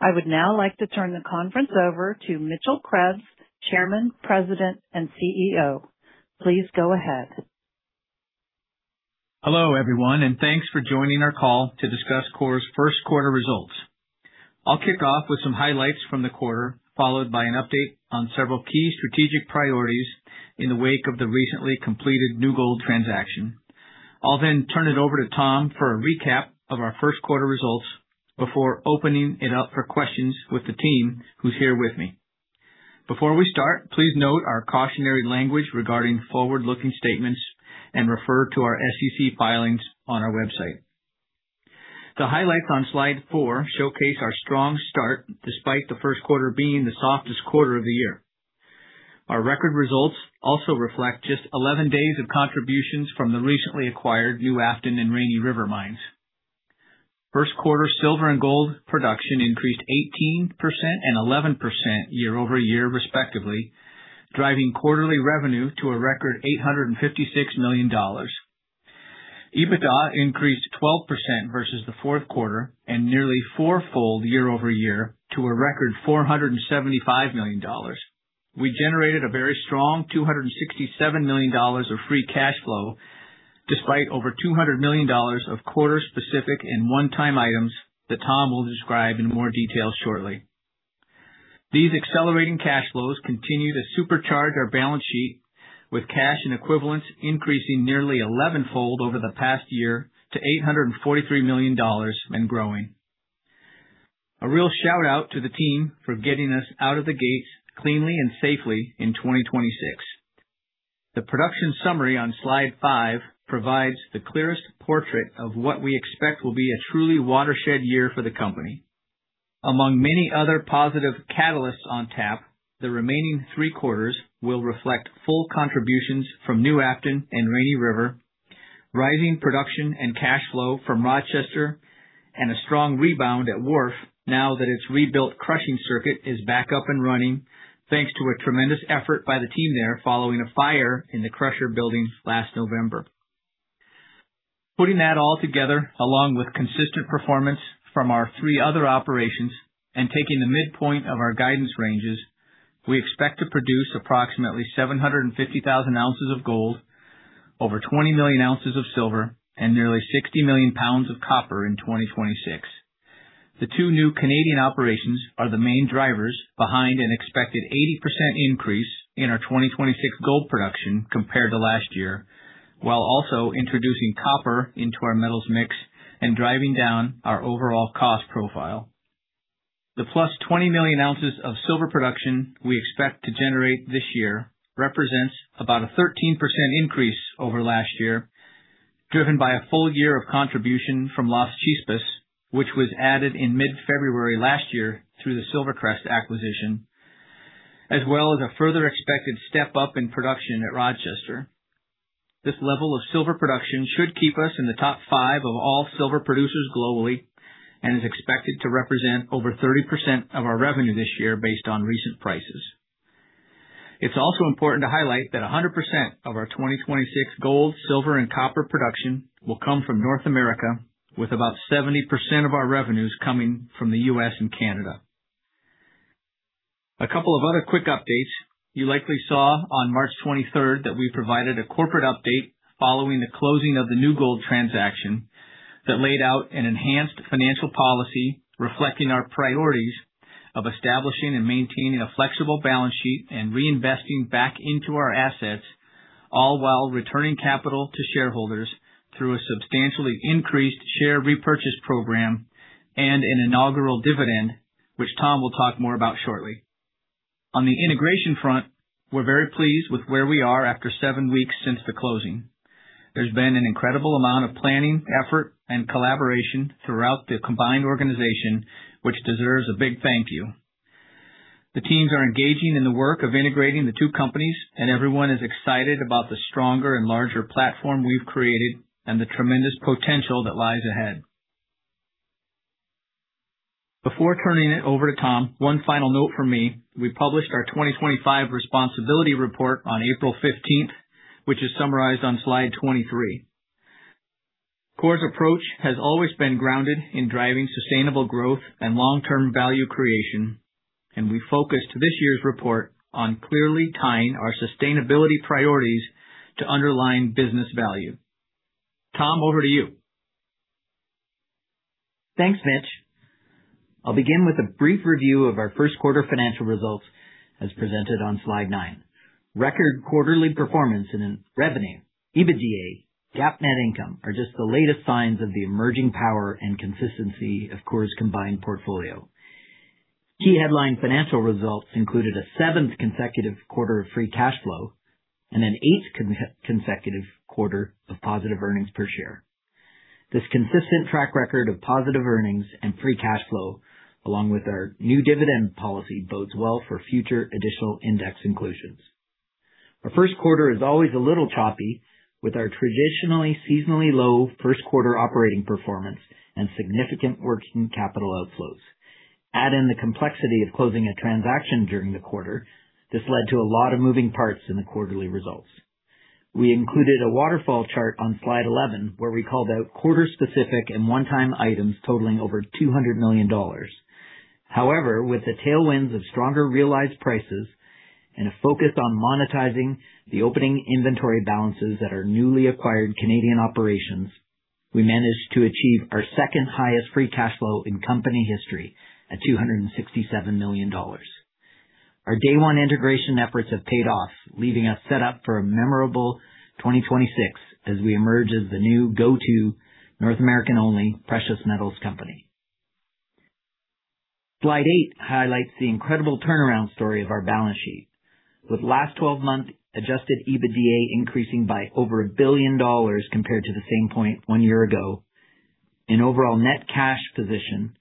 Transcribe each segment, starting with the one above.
I would now like to turn the conference over to Mitchell Krebs, Chairman, President, and CEO. Please go ahead. Hello, everyone, and thanks for joining our call to discuss Coeur's first quarter results. I'll kick off with some highlights from the quarter, followed by an update on several key strategic priorities in the wake of the recently completed New Gold transaction. I'll then turn it over to Tom for a recap of our first quarter results before opening it up for questions with the team who's here with me. Before we start, please note our cautionary language regarding forward-looking statements and refer to our SEC filings on our website. The highlights on slide four showcase our strong start despite the first quarter being the softest quarter of the year. Our record results also reflect just 11 days of contributions from the recently acquired New Afton and Rainy River mines. First quarter silver and gold production increased 18% and 11% year-over-year, respectively, driving quarterly revenue to a record $856 million. EBITDA increased 12% versus the fourth quarter and nearly four-fold year-over-year to a record $475 million. We generated a very strong $267 million of free cash flow despite over $200 million of quarter-specific and one-time items that Tom will describe in more detail shortly. These accelerating cash flows continue to supercharge our balance sheet with cash and equivalents increasing nearly eleven-fold over the past year to $843 million and growing. A real shout-out to the team for getting us out of the gates cleanly and safely in 2026. The production summary on Slide five provides the clearest portrait of what we expect will be a truly watershed year for the company. Among many other positive catalysts on tap, the remaining three quarters will reflect full contributions from New Afton and Rainy River, rising production and cash flow from Rochester, and a strong rebound at Wharf now that its rebuilt crushing circuit is back up and running, thanks to a tremendous effort by the team there following a fire in the crusher building last November. Putting that all together, along with consistent performance from our three other operations and taking the midpoint of our guidance ranges, we expect to produce approximately 750,000 oz of gold, over 20 million ounces of silver, and nearly 60 million pounds of copper in 2026. The two new Canadian operations are the main drivers behind an expected 80% increase in our 2026 gold production compared to last year, while also introducing copper into our metals mix and driving down our overall cost profile. The +20 million ounces of silver production we expect to generate this year represents about a 13% increase over last year, driven by a full-year of contribution from Las Chispas, which was added in mid-February last year through the SilverCrest acquisition, as well as a further expected step-up in production at Rochester. This level of silver production should keep us in the top five of all silver producers globally and is expected to represent over 30% of our revenue this year based on recent prices. It's also important to highlight that 100% of our 2026 gold, silver, and copper production will come from North America, with about 70% of our revenues coming from the U.S. and Canada. A couple of other quick updates. You likely saw on March 23rd that we provided a corporate update following the closing of the New Gold transaction that laid out an enhanced financial policy reflecting our priorities of establishing and maintaining a flexible balance sheet and reinvesting back into our assets, all while returning capital to shareholders through a substantially increased share repurchase program and an inaugural dividend, which Tom will talk more about shortly. On the integration front, we're very pleased with where we are after seven weeks since the closing. There's been an incredible amount of planning, effort, and collaboration throughout the combined organization, which deserves a big thank you. The teams are engaging in the work of integrating the two companies, and everyone is excited about the stronger and larger platform we've created and the tremendous potential that lies ahead. Before turning it over to Tom, one final note from me. We published our 2025 responsibility report on April 15th, which is summarized on slide 23. Coeur's approach has always been grounded in driving sustainable growth and long-term value creation, and we focused this year's report on clearly tying our sustainability priorities to underlying business value. Tom, over to you. Thanks, Mitch. I'll begin with a brief review of our first quarter financial results as presented on slide nine. Record quarterly performance in revenue, EBITDA, GAAP net income are just the latest signs of the emerging power and consistency of Coeur's combined portfolio. Key headline financial results included a seventh consecutive quarter of free cash flow and an eighth consecutive quarter of positive earnings per share. This consistent track record of positive earnings and free cash flow, along with our new dividend policy, bodes well for future additional index inclusions. Our first quarter is always a little choppy, with our traditionally seasonally low first quarter operating performance and significant working capital outflows. Add in the complexity of closing a transaction during the quarter, this led to a lot of moving parts in the quarterly results. We included a waterfall chart on slide 11, where we called out quarter specific and one-time items totaling over $200 million. With the tailwinds of stronger realized prices and a focus on monetizing the opening inventory balances at our newly acquired Canadian operations, we managed to achieve our second highest free cash flow in company history at $267 million. Our day one integration efforts have paid off, leaving us set up for a memorable 2026 as we emerge as the new go-to North American only precious metals company. Slide eight highlights the incredible turnaround story of our balance sheet. With last 12 months adjusted EBITDA increasing by over $1 billion compared to the same point one year ago. In overall net cash position,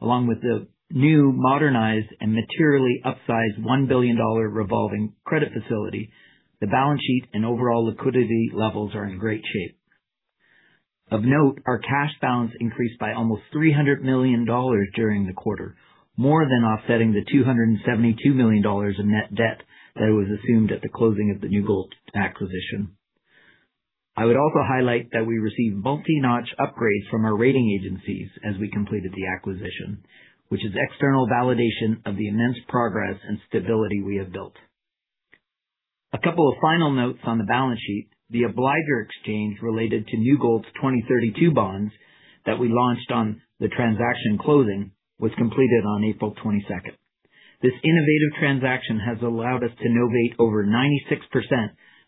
along with the new modernized and materially upsized $1 billion revolving credit facility, the balance sheet and overall liquidity levels are in great shape. Of note, our cash balance increased by almost $300 million during the quarter, more than offsetting the $272 million in net debt that was assumed at the closing of the New Gold acquisition. I would also highlight that we received multi-notch upgrades from our rating agencies as we completed the acquisition, which is external validation of the immense progress and stability we have built. A couple of final notes on the balance sheet. The obligor exchange related to New Gold's 2032 bonds that we launched on the transaction closing was completed on April 22nd. This innovative transaction has allowed us to novate over 96%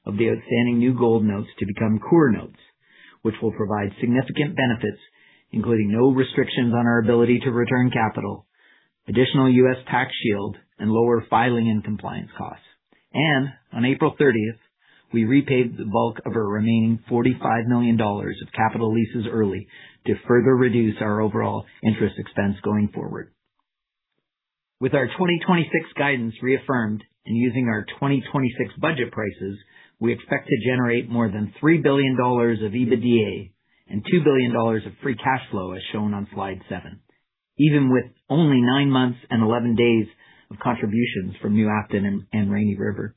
of the outstanding New Gold notes to become Coeur notes, which will provide significant benefits, including no restrictions on our ability to return capital, additional U.S. tax shield, and lower filing and compliance costs. On April 30, we repaid the bulk of our remaining $45 million of capital leases early to further reduce our overall interest expense going forward. With our 2026 guidance reaffirmed and using our 2026 budget prices, we expect to generate more than $3 billion of EBITDA and $2 billion of free cash flow, as shown on slide seven, even with only nine months and 11 days of contributions from New Afton and Rainy River.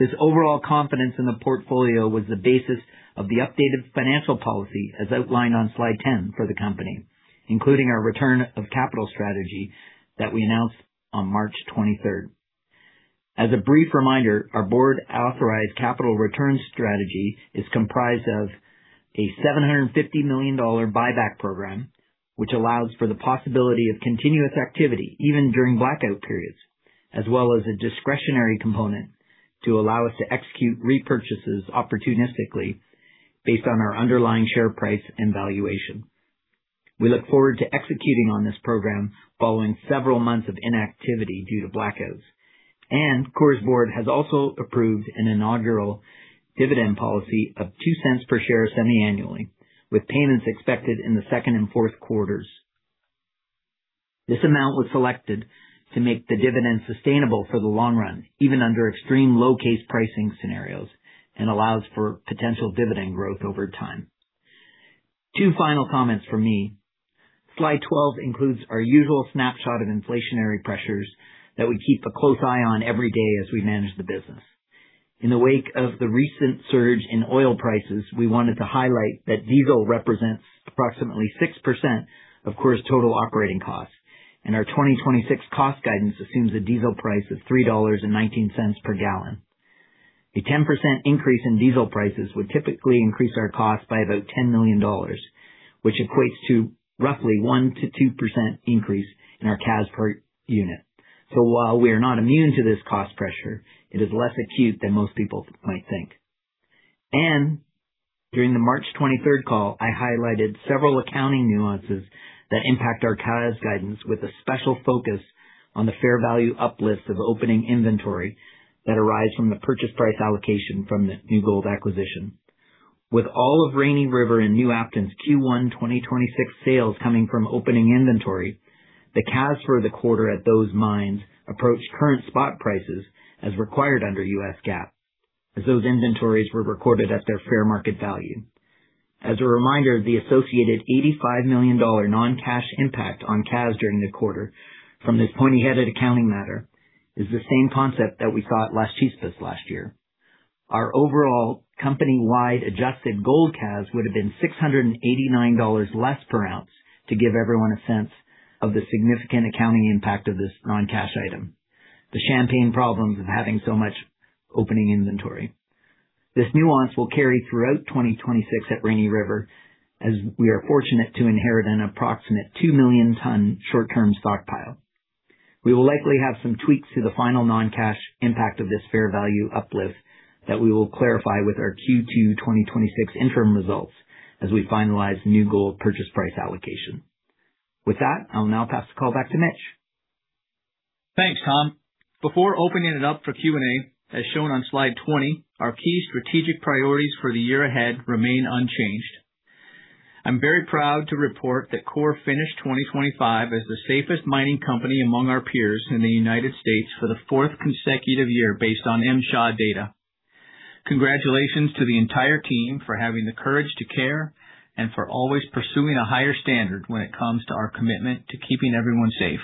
This overall confidence in the portfolio was the basis of the updated financial policy, as outlined on slide 10 for the company, including our return of capital strategy that we announced on March 23rd. As a brief reminder, our board authorized capital returns strategy is comprised of a $750 million buyback program, which allows for the possibility of continuous activity even during blackout periods, as well as a discretionary component to allow us to execute repurchases opportunistically based on our underlying share price and valuation. We look forward to executing on this program following several months of inactivity due to blackouts. Coeur's board has also approved an inaugural dividend policy of $0.02 per share semi-annually, with payments expected in the second and fourth quarters. This amount was selected to make the dividend sustainable for the long run, even under extreme low case pricing scenarios, and allows for potential dividend growth over time. Two final comments from me. Slide 12 includes our usual snapshot of inflationary pressures that we keep a close eye on every day as we manage the business. In the wake of the recent surge in oil prices, we wanted to highlight that diesel represents approximately 6% of Coeur's total operating costs, and our 2026 cost guidance assumes a diesel price of $3.19 per gal. A 10% increase in diesel prices would typically increase our cost by about $10 million, which equates to roughly 1%-2% increase in our CAS per unit. While we are not immune to this cost pressure, it is less acute than most people might think. During the March 23rd call, I highlighted several accounting nuances that impact our CAS guidance, with a special focus on the fair value uplift of opening inventory that arise from the purchase price allocation from the New Gold acquisition. With all of Rainy River and New Afton's Q1 2026 sales coming from opening inventory, the CAS for the quarter at those mines approached current spot prices as required under U.S. GAAP, as those inventories were recorded at their fair market value. As a reminder, the associated $85 million non-cash impact on CAS during the quarter from this pointy-headed accounting matter is the same concept that we saw at Las Chispas last year. Our overall company-wide adjusted gold CAS would have been $689 less per ounce to give everyone a sense of the significant accounting impact of this non-cash item. The champagne problems of having so much opening inventory. This nuance will carry throughout 2026 at Rainy River, as we are fortunate to inherit an approximate 2 million ton short-term stockpile. We will likely have some tweaks to the final non-cash impact of this fair value uplift that we will clarify with our Q2 2026 interim results as we finalize New Gold purchase price allocation. With that, I'll now pass the call back to Mitch. Thanks, Tom. Before opening it up for Q&A, as shown on slide 20, our key strategic priorities for the year ahead remain unchanged. I'm very proud to report that Coeur finished 2025 as the safest mining company among our peers in the U.S. for the fourth consecutive year based on MSHA data. Congratulations to the entire team for having the courage to care and for always pursuing a higher standard when it comes to our commitment to keeping everyone safe.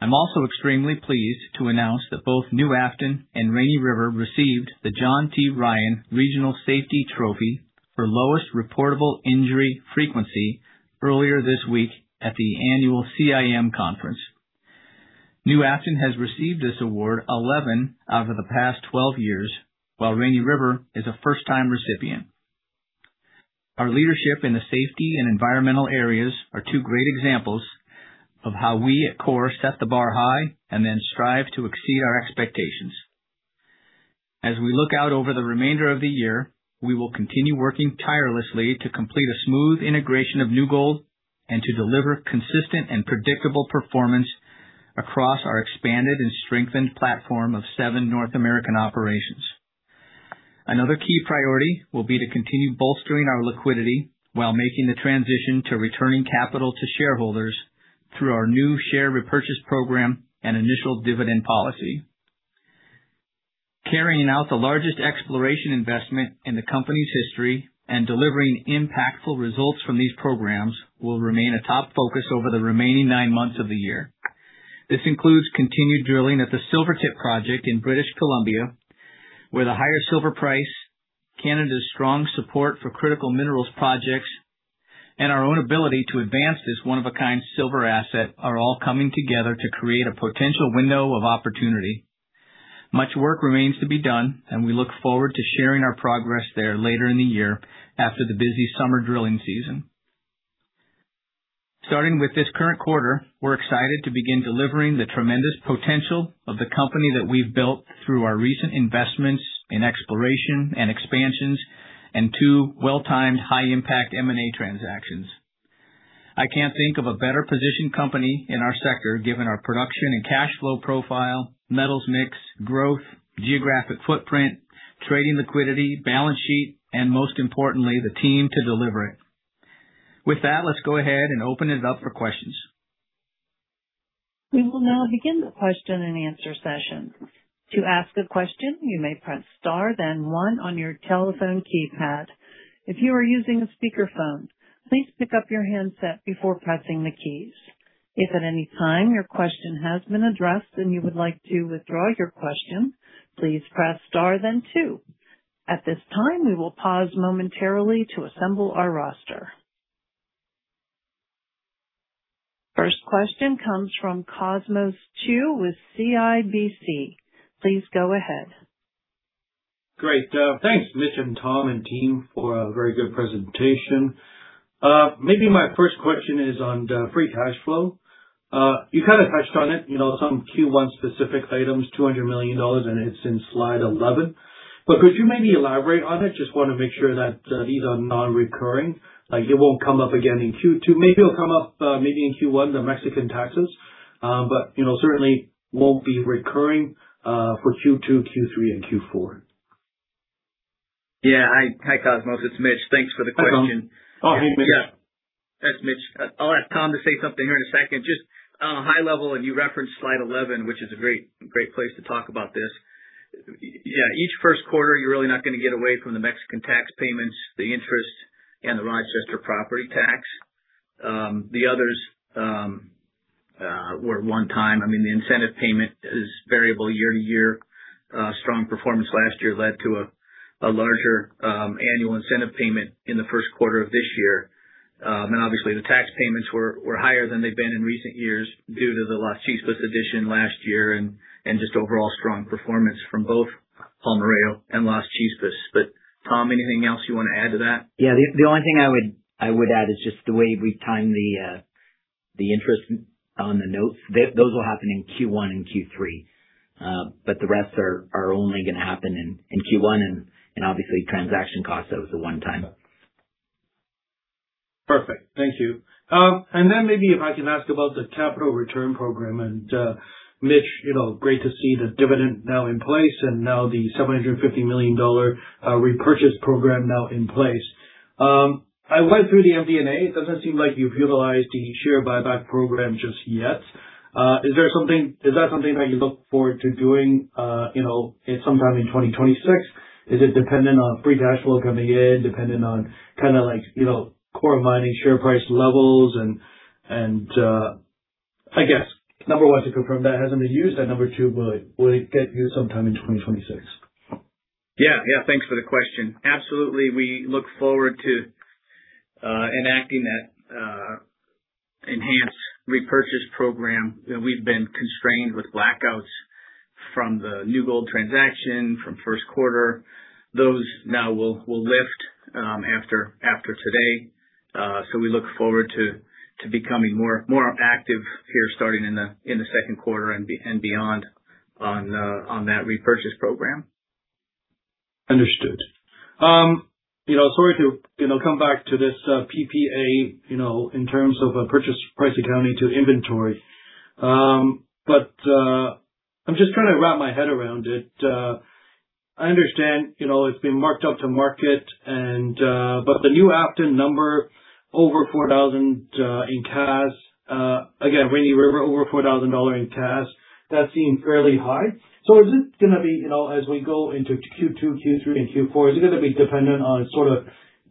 I'm also extremely pleased to announce that both New Afton and Rainy River received the John T. Ryan Regional Safety Trophy for lowest reportable injury frequency earlier this week at the annual CIM conference. New Afton has received this award 11 out of the past 12 years, while Rainy River is a first-time recipient. Our leadership in the safety and environmental areas are two great examples of how we at Coeur set the bar high and then strive to exceed our expectations. As we look out over the remainder of the year, we will continue working tirelessly to complete a smooth integration of New Gold and to deliver consistent and predictable performance across our expanded and strengthened platform of seven North American operations. Another key priority will be to continue bolstering our liquidity while making the transition to returning capital to shareholders through our new share repurchase program and initial dividend policy. Carrying out the largest exploration investment in the company's history and delivering impactful results from these programs will remain a top focus over the remaining nine months of the year. This includes continued drilling at the Silvertip project in British Columbia, where the higher silver price, Canada's strong support for critical minerals projects, and our own ability to advance this one-of-a-kind silver asset are all coming together to create a potential window of opportunity. Much work remains to be done, and we look forward to sharing our progress there later in the year after the busy summer drilling season. Starting with this current quarter, we're excited to begin delivering the tremendous potential of the company that we've built through our recent investments in exploration and expansions and two well-timed high-impact M&A transactions. I can't think of a better positioned company in our sector, given our production and cash flow profile, metals mix, growth, geographic footprint, trading liquidity, balance sheet, and most importantly, the team to deliver it. With that, let's go ahead and open it up for questions. We will now begin the question-and-answer session. To ask a question you may now press star then one on your telephone keypad if you are using speaker phone please pick up your handset before pressing the key .If any time your question has been addressed and you would like to withdraw your question please press star then two. At this time we will pause momentary to assemble our roster. First question comes from Cosmos Chiu with CIBC. Please go ahead. Great. Thanks, Mitch and Tom and team for a very good presentation. Maybe my first question is on the free cash flow. You kind of touched on it, you know, some Q1 specific items, $200 million, and it's in slide 11. Could you maybe elaborate on it? Just wanna make sure that these are non-recurring, like it won't come up again in Q2. Maybe it'll come up, maybe in Q1, the Mexican taxes, you know, certainly won't be recurring for Q2, Q3, and Q4. Yeah, hi, Cosmos. It's Mitch. Thanks for the question. Hi, Tom. Oh, hey, Mitch. It's Mitch. I'll ask Tom to say something here in a second. Just high level, and you referenced slide 11, which is a great place to talk about this. Each first quarter, you're really not gonna get away from the Mexican tax payments, the interest, and the Rochester property tax. The others were one time. I mean, the incentive payment is variable year to year. Strong performance last year led to a larger annual incentive payment in the first quarter of this year. Obviously the tax payments were higher than they've been in recent years due to the Las Chispas addition last year and just overall strong performance from both Palmarejo and Las Chispas. Tom, anything else you wanna add to that? Yeah. The only thing I would add is just the way we time the interest on the notes. Those will happen in Q1 and Q3. The rest are only gonna happen in Q1 and obviously transaction costs, that was a one time. Perfect. Thank you. Maybe if I can ask about the capital return program. Mitch, you know, great to see the dividend now in place and now the $750 million repurchase program now in place. I went through the MD&A. It doesn't seem like you've utilized the share buyback program just yet. Is that something that you look forward to doing, you know, sometime in 2026? Is it dependent on free cash flow coming in, dependent on kinda like, you know, Coeur Mining share price levels? I guess number one, to confirm that hasn't been used. Number two, will it get used sometime in 2026? Yeah. Yeah. Thanks for the question. Absolutely. We look forward to enacting that enhanced repurchase program. You know, we've been constrained with blackouts from the New Gold transaction from first quarter. Those now will lift after today. We look forward to becoming more active here starting in the second quarter and beyond on that repurchase program. Understood. You know, sorry to, you know, come back to this PPA, you know, in terms of a purchase price accounting to inventory. I'm just trying to wrap my head around it. I understand, you know, it's been marked up to market and, but the New Afton number over 4,000 in CAS. Rainy River over $4,000 in CAS. That seems fairly high. Is it gonna be, you know, as we go into Q2, Q3 and Q4, is it gonna be dependent on sort of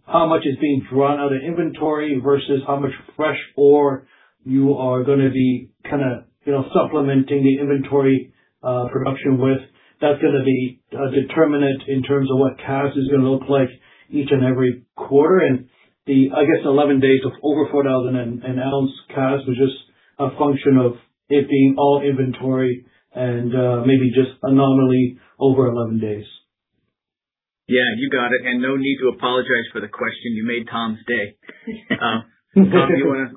how much is being drawn out of inventory versus how much fresh ore you are gonna be kinda, you know, supplementing the inventory production with? That's gonna be a determinant in terms of what CAS is gonna look like each and every quarter. The, I guess 11 days of over 4,000 in ounce CAS was just a function of it being all inventory and maybe just anomaly over 11 days. Yeah, you got it. No need to apologize for the question. You made Tom's day. Tom, do you wanna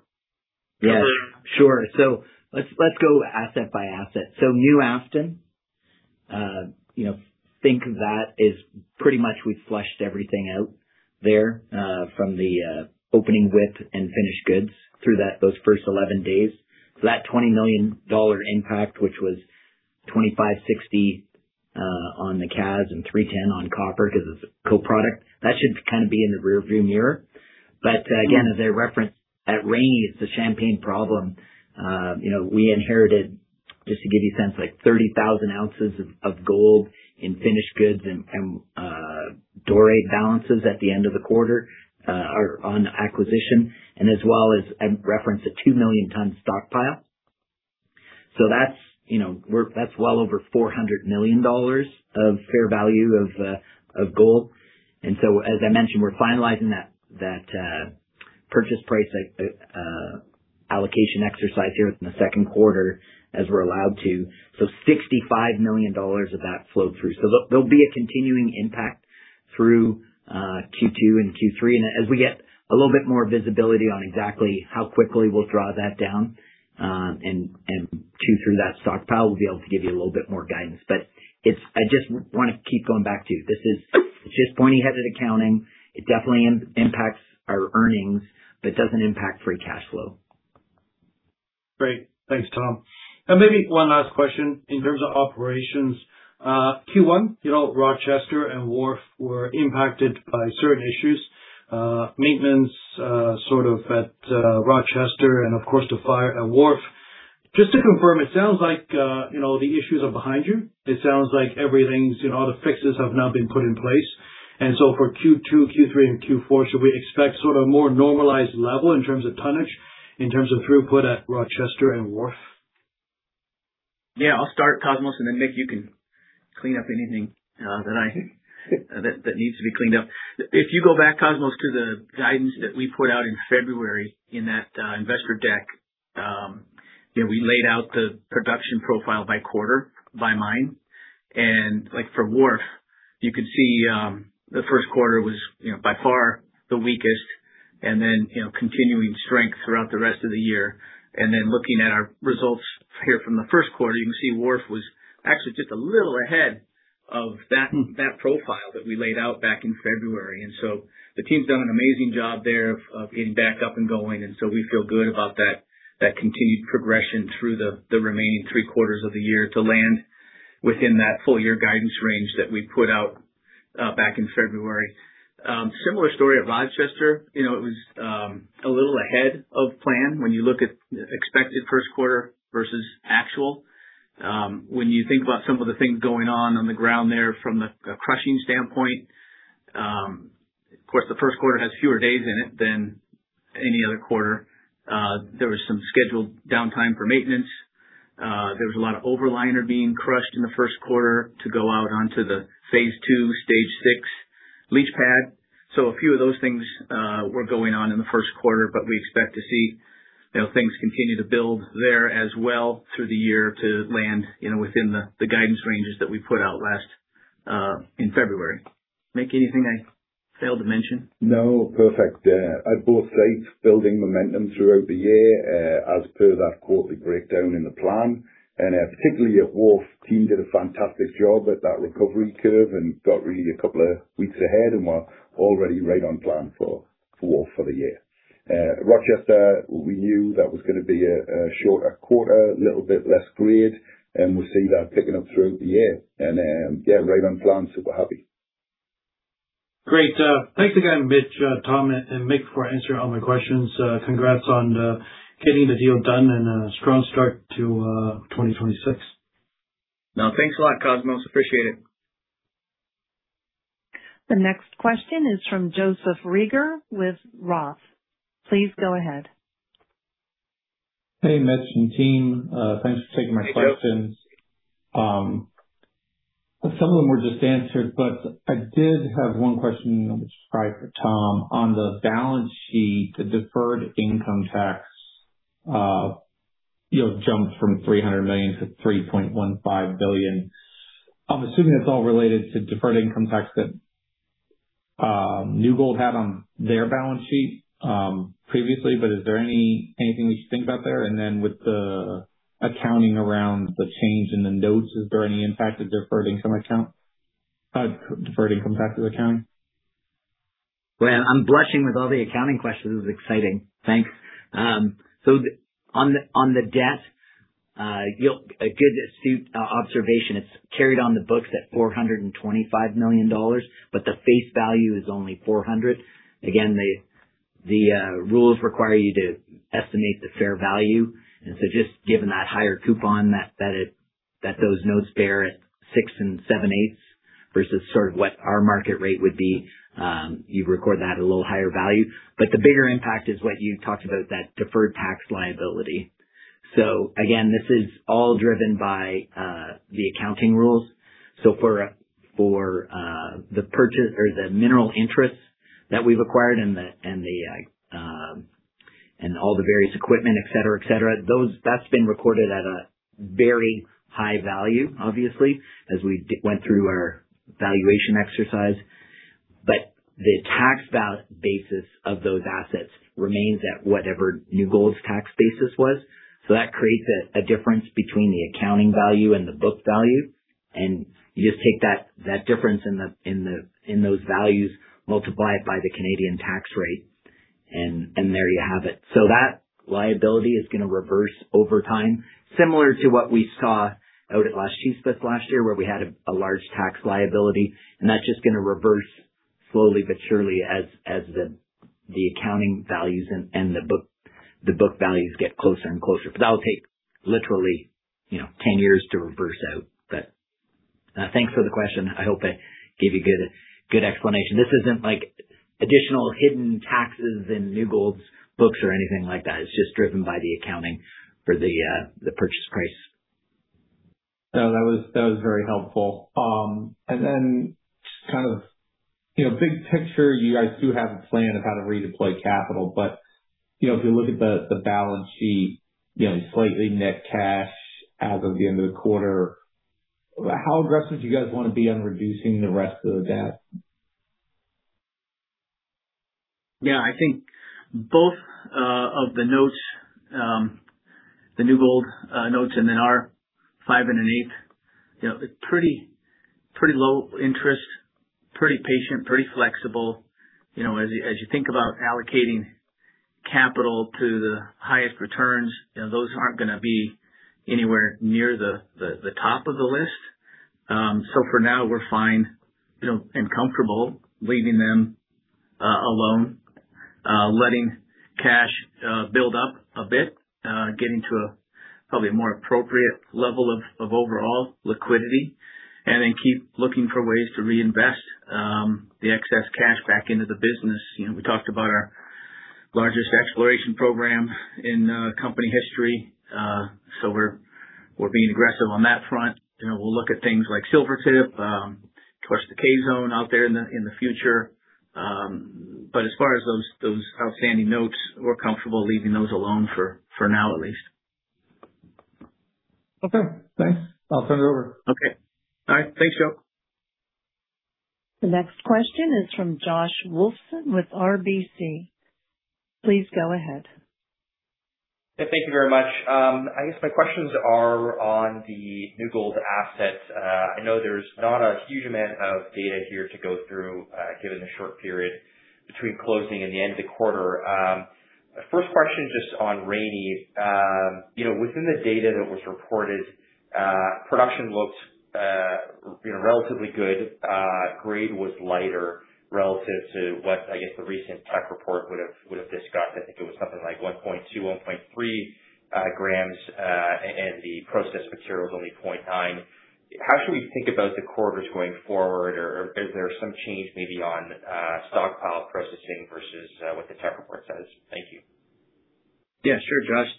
elaborate? Let's, let's go asset by asset. New Afton, think that is pretty much we flushed everything out there, from the opening WIP and finished goods through that, those first 11 days. That $20 million impact, which was $25.60 on the CAS and $3.10 on copper 'cause it's a co-product, that should kind of be in the rearview mirror. Again, as I referenced, at Rainy, it's a champagne problem. We inherited, just to give you a sense, 30,000 oz of gold in finished goods and doré balances at the end of the quarter, or on acquisition, and as well as I referenced a 2 million ton stockpile. That's well over $400 million of fair value of gold. As I mentioned, we're finalizing that purchase price, like, allocation exercise here in the second quarter as we're allowed to. $65 million of that flowed through. There'll be a continuing impact through Q2 and Q3. As we get a little bit more visibility on exactly how quickly we'll draw that down, and chew through that stockpile, we'll be able to give you a little bit more guidance. I just wanna keep going back to you. This is just pointy-headed accounting. It definitely impacts our earnings, but doesn't impact free cash flow. Great. Thanks, Tom. Maybe one last question in terms of operations. Q1, you know, Rochester and Wharf were impacted by certain issues, maintenance, sort of at Rochester and of course the fire at Wharf. Just to confirm, it sounds like, you know, the issues are behind you. It sounds like everything's, you know, all the fixes have now been put in place. For Q2, Q3 and Q4, should we expect sort of more normalized level in terms of tonnage, in terms of throughput at Rochester and Wharf? Yeah, I'll start, Cosmos, and then Mick, you can clean up anything that needs to be cleaned up. If you go back, Cosmos, to the guidance that we put out in February in that investor deck, you know, we laid out the production profile by quarter, by mine. Like for Wharf, you could see, the first quarter was, you know, by far the weakest and then, you know, continuing strength throughout the rest of the year. Looking at our results here from the first quarter, you can see Wharf was actually just a little ahead of that profile that we laid out back in February. So the team's done an amazing job there of getting back up and going. We feel good about that continued progression through the remaining three quarters of the year to land within that full-year guidance range that we put out back in February. Similar story at Rochester. You know, it was a little ahead of plan when you look at expected first quarter versus actual. When you think about some of the things going on on the ground there from the crushing standpoint, of course the first quarter has fewer days in it than any other quarter. There was some scheduled downtime for maintenance. There was a lot of overliner being crushed in the first quarter to go out onto the phase II, stage six leach pad. A few of those things were going on in the first quarter, but we expect to see, you know, things continue to build there as well through the year to land, you know, within the guidance ranges that we put out last in February. Mick, anything I failed to mention? No. Perfect. At both sites, building momentum throughout the year, as per that quarterly breakdown in the plan. Particularly at Wharf, team did a fantastic job at that recovery curve and got really a couple of weeks ahead and we're already right on plan for Wharf for the year. Rochester, we knew that was gonna be a shorter quarter, a little bit less grade, and we're seeing that picking up throughout the year. Yeah, right on plan. Super happy. Great. Thanks again, Mitch, Tom and Mick for answering all my questions. Congrats on getting the deal done and a strong start to 2026. No, thanks a lot, Cosmos. Appreciate it. The next question is from Joseph Reagor with ROTH. Please go ahead. Hey, Mitch and team. Thanks for taking my questions. Hey, Joe. Some of them were just answered, but I did have one question which is probably for Tom. On the balance sheet, the deferred income tax, you know, jumped from $300 million- $3.15 billion. I'm assuming it's all related to deferred income tax that New Gold had on their balance sheet previously, but is there anything we should think about there? With the accounting around the change in the notes, is there any impact to deferred income account, deferred income tax account? Well, I'm blushing with all the accounting questions. This is exciting. Thanks. On the debt, A good astute observation. It's carried on the books at $425 million, but the face value is only $400. The rules require you to estimate the fair value. Just given that higher coupon that those notes bear at six and 7/8 versus sort of what our market rate would be, you record that at a little higher value. The bigger impact is what you talked about, that deferred tax liability. This is all driven by the accounting rules. For the purchase or the mineral interests that we've acquired and the, and the, and all the various equipment, et cetera, et cetera, that's been recorded at a very high value, obviously, as we went through our valuation exercise. The tax basis of those assets remains at whatever New Gold's tax basis was. That creates a difference between the accounting value and the book value. You just take that difference in the, in the, in those values, multiply it by the Canadian tax rate, and there you have it. That liability is gonna reverse over time, similar to what we saw out at Las Chispas last year, where we had a large tax liability. That's just gonna reverse slowly but surely as the accounting values and the book values get closer and closer. That'll take literally, you know, 10 years to reverse out. Thanks for the question. I hope I gave you good explanation. This isn't like additional hidden taxes in New Gold's books or anything like that. It's just driven by the accounting for the purchase price. That was very helpful. Just kind of, you know, big picture, you guys do have a plan of how to redeploy capital. You know, if you look at the balance sheet, you know, slightly net cash as of the end of the quarter, how aggressive do you guys wanna be on reducing the rest of the debt? Yeah, I think both of the notes, the New Gold notes and then our five and an eighth, you know, pretty low interest, pretty patient, pretty flexible. You know, as you think about allocating capital to the highest returns, you know, those aren't gonna be anywhere near the top of the list. For now, we're fine, you know, and comfortable leaving them alone, letting cash build up a bit, getting to a probably more appropriate level of overall liquidity, and then keep looking for ways to reinvest the excess cash back into the business. You know, we talked about our largest exploration program in company history. We're being aggressive on that front. You know, we'll look at things like Silvertip, towards the K-Zone out there in the, in the future. As far as those outstanding notes, we're comfortable leaving those alone for now at least. Okay, thanks. I'll turn it over. Okay. All right. Thanks, y'all. The next question is from Josh Wolfson with RBC. Please go ahead. Thank you very much. I guess my questions are on the New Gold assets. I know there's not a huge amount of data here to go through, given the short period between closing and the end of the quarter. First question, just on Rainy. You know, within the data that was reported, production looked, you know, relatively good. Grade was lighter relative to what I guess the recent tech report would have discussed. I think it was something like 1.2, 1.3 g, and the processed material was only 0.9. How should we think about the quarters going forward? Or is there some change maybe on stockpile processing versus what the tech report says? Thank you. Sure, Josh.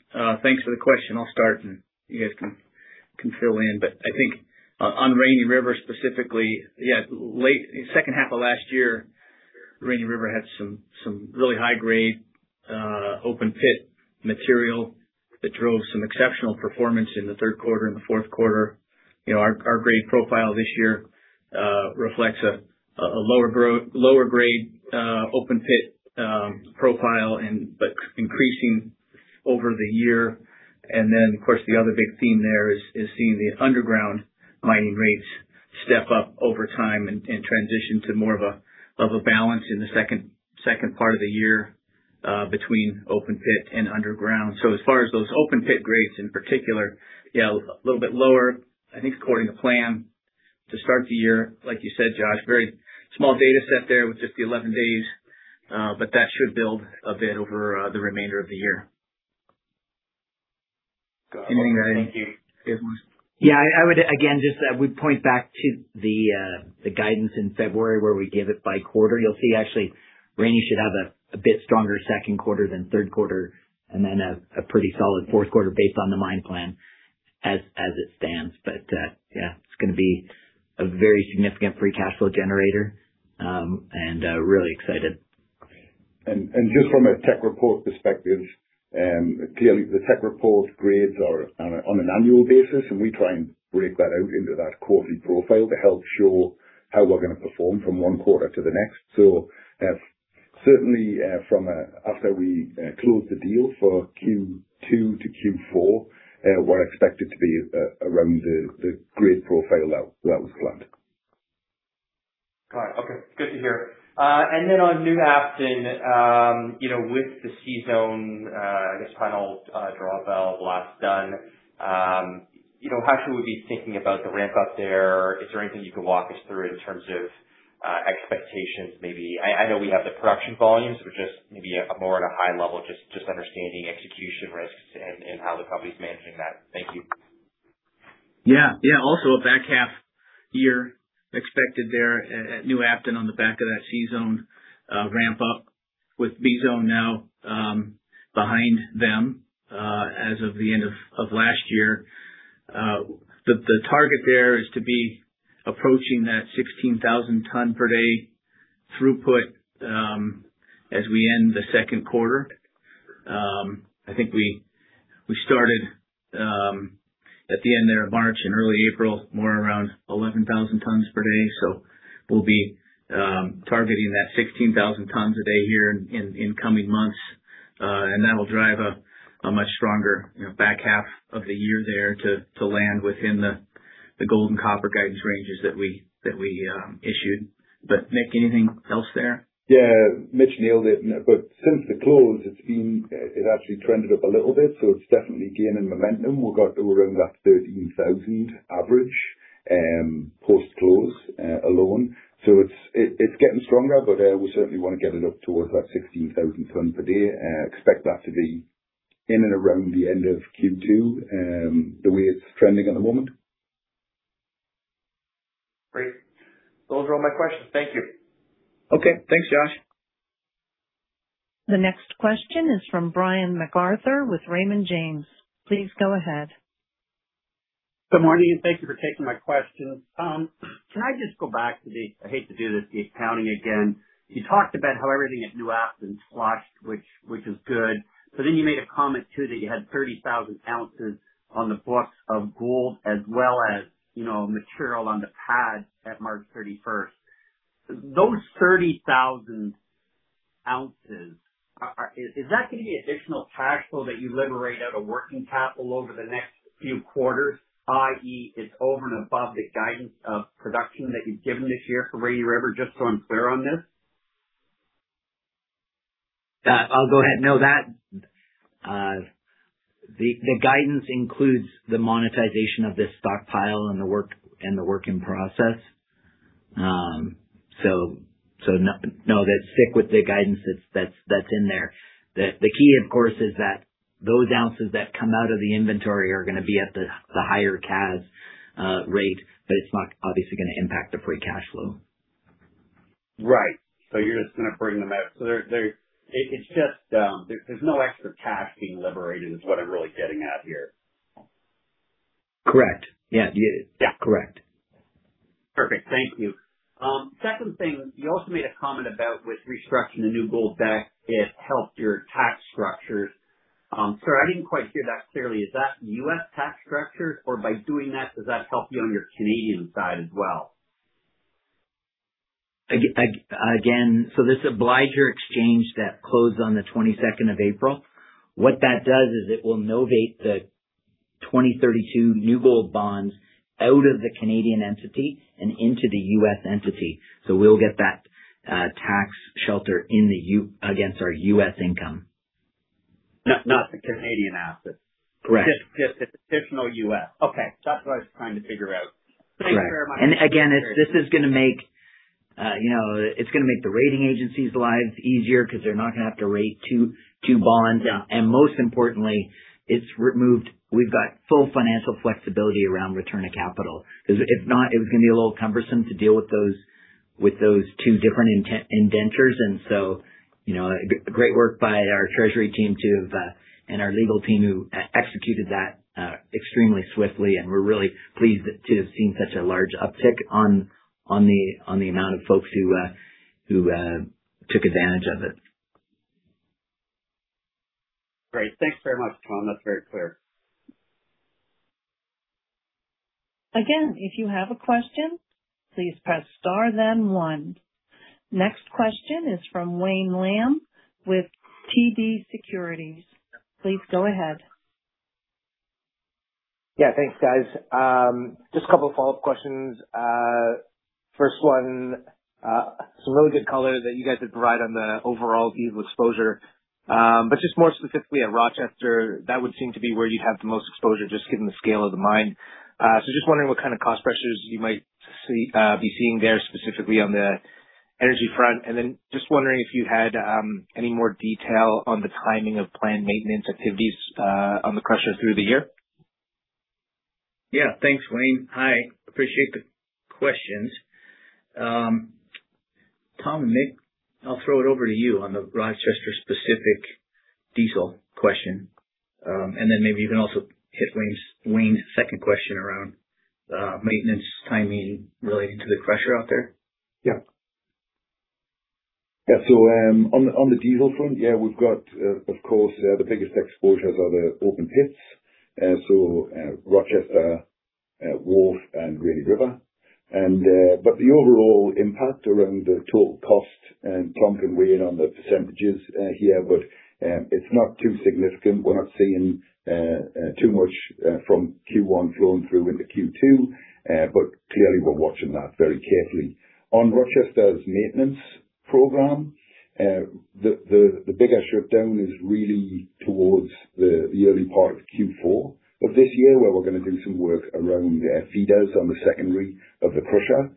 Thanks for the question. I'll start and you guys can fill in. I think on Rainy River specifically, yeah, second half of last year, Rainy River had some really high-grade open pit material that drove some exceptional performance in the third quarter and the fourth quarter. You know, our grade profile this year reflects a lower grade open pit profile, but increasing over the year. Of course, the other big theme there is seeing the underground mining rates step up over time and transition to more of a balance in the second part of the year between open pit and underground. As far as those open pit grades in particular, yeah, a little bit lower, I think according to plan to start the year. Like you said, Josh, very small data set there with just the 11 days. That should build a bit over the remainder of the year. Anything you guys. Thank you. Yeah. Yeah, I would again just point back to the guidance in February where we gave it by quarter. You'll see actually, rainy should have a bit stronger second quarter than third quarter, and then a pretty solid fourth quarter based on the mine plan as it stands. Yeah, it's gonna be a very significant free cash flow generator, and really excited. Just from a tech report perspective, clearly the tech report grades are on an annual basis, and we try and break that out into that quarterly profile to help show how we're gonna perform from first quarter to the next. Certainly, after we close the deal for Q2 to Q4, we're expected to be around the grade profile that was planned. Got it. Okay. Good to hear. Then on New Afton, you know, with the C-Zone, I guess, final drawbell blast done, you know, how should we be thinking about the ramp up there? Is there anything you can walk us through in terms of expectations maybe? I know we have the production volumes, but just maybe more on a high level, just understanding execution risks and how the company's managing that. Thank you. Yeah. Yeah. Also a back half year expected there at New Afton on the back of that C-Zone ramp up with B-Zone now behind them as of the end of last year. The target there is to be approaching that 16,000 t per day throughput as we end the second quarter. I think we started at the end there of March and early April, more around 11,000 t per day. We'll be targeting that 16,000 t a day here in coming months. That'll drive a much stronger, you know, back half of the year there to land within the gold and copper guidance ranges that we issued. Mick, anything else there? Mitch nailed it. Since the close, it actually trended up a little bit, it's definitely gaining momentum. We've got around that 13,000 average post-close alone. It's getting stronger, we certainly wanna get it up towards that 16,000 t per day. Expect that to be in and around the end of Q two, the way it's trending at the moment. Great. Those are all my questions. Thank you. Okay. Thanks, Josh. The next question is from Brian MacArthur with Raymond James. Please go ahead. Good morning. Thank you for taking my questions. Can I just go back to the I hate to do this, the accounting again. You talked about how everything at New Afton squashed, which is good. You made a comment, too, that you had 30,000 oz on the books of gold as well as material on the pad at March 31st. Those 30,000 oz, is that gonna be additional cash flow that you liberate out of working capital over the next few quarters, i.e., it's over and above the guidance of production that you've given this year for Rainy River? Just so I'm clear on this. I'll go ahead. No, that the guidance includes the monetization of this stockpile and the work, and the work in process. No, that's thick with the guidance that's in there. The key, of course, is that those oz that come out of the inventory are gonna be at the higher CAS rate, but it's not obviously gonna impact the free cash flow. Right. You're just going to bring them out. It's just, there's no extra cash being liberated is what I'm really getting at here. Correct. Yeah. You get it. Yeah. Correct. Perfect. Thank you. Second thing, you also made a comment about with restructuring the New Gold back, it helped your tax structures. Sorry, I didn't quite hear that clearly. Is that U.S. tax structures, or by doing that, does that help you on your Canadian side as well? Again, this obligor exchange that closed on the 22nd of April, what that does is it will novate the 2032 New Gold bonds out of the Canadian entity and into the U.S. entity. We'll get that tax shelter in the U.S. against our U.S. income. Not, not the Canadian assets. Correct. Just additional U.S. Okay. That's what I was trying to figure out. Correct. Thanks very much. Again, this is gonna make, you know, it's gonna make the rating agencies' lives easier because they're not gonna have to rate two bonds. Yeah. Most importantly, it's removed. We've got full financial flexibility around return of capital. 'Cause if not, it was gonna be a little cumbersome to deal with those, with those two different indentures. You know, great work by our treasury team to have, and our legal team who executed that extremely swiftly. We're really pleased to have seen such a large uptick on the, on the amount of folks who took advantage of it. Great. Thanks very much, Tom. That's very clear. Again, if you have a question, please press star then one. Next question is from Wayne Lam with TD Securities. Please go ahead. Thanks, guys. Just two of follow-up questions. First one, some really good color that you guys have provided on the overall diesel exposure. Just more specifically at Rochester, that would seem to be where you'd have the most exposure, just given the scale of the mine. Just wondering what kind of cost pressures you might see, be seeing there specifically on the energy front. Just wondering if you had any more detail on the timing of planned maintenance activities on the crusher through the year. Yeah. Thanks, Wayne. Hi. Appreciate the questions. Tom and Mick, I'll throw it over to you on the Rochester specific-Diesel question. Then maybe you can also hit Wayne's second question around maintenance timing relating to the crusher out there. Yeah. Yeah. On the diesel front, yeah, we've got, of course, the biggest exposures are the open pits, so, Rochester, Wharf, and Rainy River. But the overall impact around the total cost, and Tom can weigh in on the percentages here, but it's not too significant. We're not seeing too much from Q1 flowing through into Q2. Clearly we're watching that very carefully. On Rochester's maintenance program, the bigger shutdown is really towards the early part of Q4 of this year, where we're gonna do some work around their feeders on the secondary of the crusher.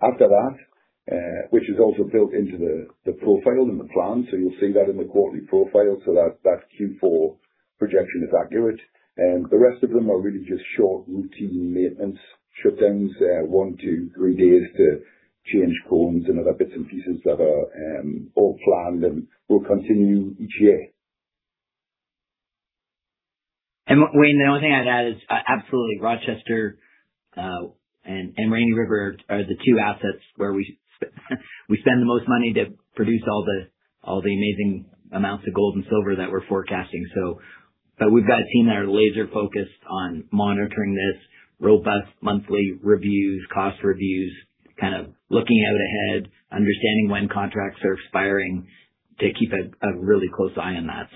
After that, which is also built into the profile and the plan. You'll see that in the quarterly profile. That's Q4 projection is accurate, and the rest of them are really just short, routine maintenance shutdowns. One, two, three days to change cones and other bits and pieces that are all planned and will continue each year. Wayne, the only thing I'd add is absolutely Rochester, and Rainy River are the two assets where we spend the most money to produce all the amazing amounts of gold and silver that we're forecasting. But we've got a team that are laser-focused on monitoring this, robust monthly reviews, cost reviews, kind of looking out ahead, understanding when contracts are expiring to keep a really close eye on that.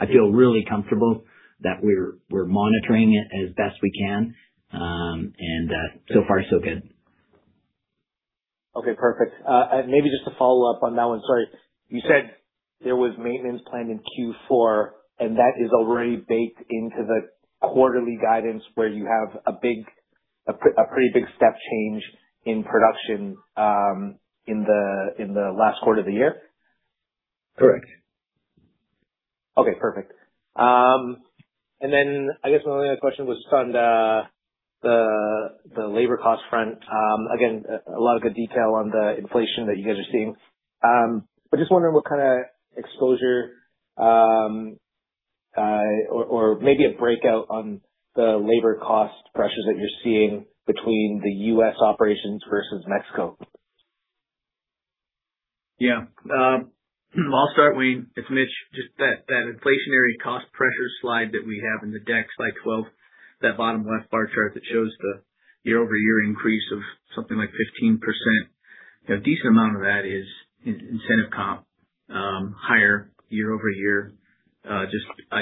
I feel really comfortable that we're monitoring it as best we can. So far so good. Okay, perfect. Maybe just to follow up on that one. Sorry. You said there was maintenance planned in Q4, and that is already baked into the quarterly guidance where you have a pretty big step change in production in the last quarter of the year? Correct. Okay, perfect. Then I guess my only other question was on the labor cost front. Again, a lot of good detail on the inflation that you guys are seeing. Just wondering what kinda exposure, or maybe a breakout on the labor cost pressures that you're seeing between the U.S. operations versus Mexico? Yeah. I'll start, Wayne. It's Mitch. Just that inflationary cost pressure slide that we have in the deck, slide 12, that bottom left bar chart that shows the year-over-year increase of something like 15%. A decent amount of that is incentive comp, higher year-over-year. I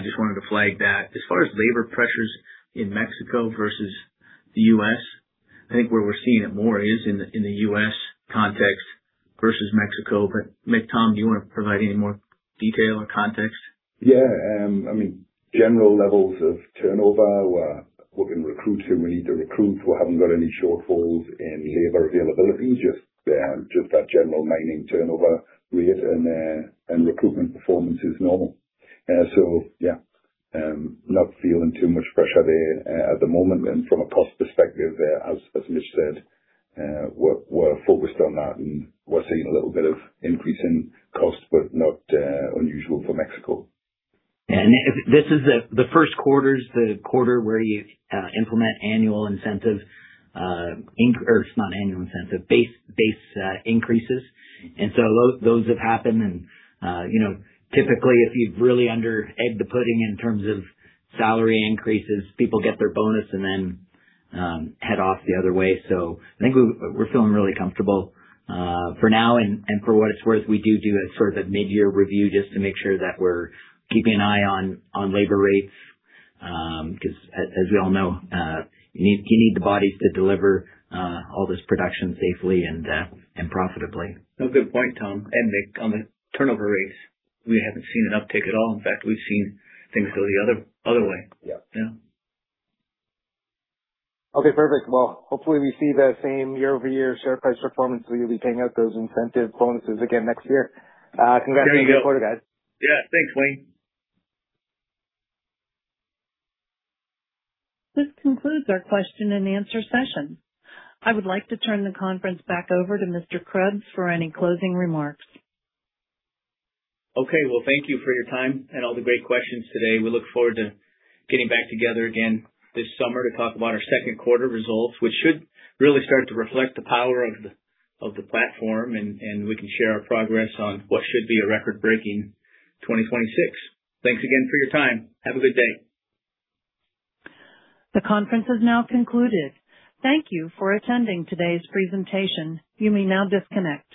just wanted to flag that. As far as labor pressures in Mexico versus the U.S., I think where we're seeing it more is in the, in the U.S. context versus Mexico. Mick, Tom, do you wanna provide any more detail or context? Yeah. I mean, general levels of turnover, we've been recruiting. We need to recruit. We haven't got any shortfalls in labor availability, just that general mining turnover rate and recruitment performance is normal. Yeah, not feeling too much pressure there at the moment. From a cost perspective, as Mitch said, we're focused on that and we're seeing a little bit of increase in cost, but not unusual for Mexico. If this is the first quarter's the quarter where you implement annual incentive, or it's not annual incentive, base increases. Those have happened. You know, typically, if you've really under-egged the pudding in terms of salary increases, people get their bonus and then head off the other way. I think we're feeling really comfortable for now. For what it's worth, we do a sort of a mid-year review just to make sure that we're keeping an eye on labor rates, 'cause as we all know, you need the bodies to deliver all this production safely and profitably. Good point, Tom and Mick, on the turnover rates. We haven't seen an uptick at all. In fact, we've seen things go the other way. Yeah. Yeah. Okay, perfect. Well, hopefully we see that same year-over-year share price performance, so you'll be paying out those incentive bonuses again next year. Congratulations. There you go. To you both, guys. Yeah, thanks, Wayne. This concludes our question-and-answer session. I would like to turn the conference back over to Mr. Krebs for any closing remarks. Okay. Well, thank you for your time and all the great questions today. We look forward to getting back together again this summer to talk about our second quarter results, which should really start to reflect the power of the platform and we can share our progress on what should be a record-breaking 2026. Thanks again for your time. Have a good day. The conference has now concluded. Thank you for attending today's presentation. You may now disconnect.